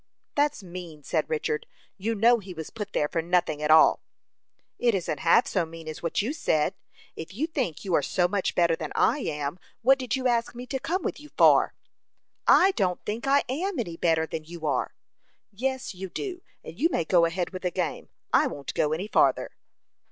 "That's mean," said Richard. "You know he was put there for nothing at all." "It isn't half so mean as what you said. If you think you are so much better than I am, what did you ask me to come with you for?" "I don't think I am any better than you are." "Yes, you do; and you may go ahead with the game; I won't go any farther."